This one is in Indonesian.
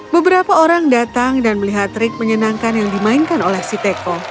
beberapa orang datang dan melihat trik menyenangkan yang dimainkan oleh si teko